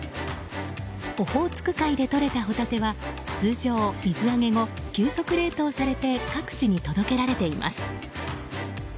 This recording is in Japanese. オホーツク海でとれたホタテは通常、水揚げ後急速冷凍されて各地に届けられています。